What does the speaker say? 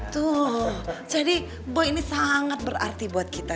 tuh jadi boy ini sangat berarti buat kita